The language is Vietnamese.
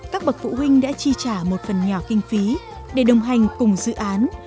các bậc phụ huynh đã chi trả một phần nhỏ kinh phí để đồng hành cùng dự án